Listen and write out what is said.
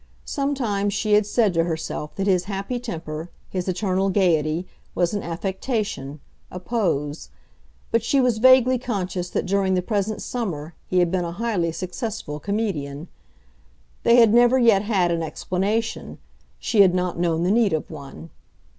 Sometimes she had said to herself that his happy temper, his eternal gaiety, was an affectation, a pose; but she was vaguely conscious that during the present summer he had been a highly successful comedian. They had never yet had an explanation; she had not known the need of one.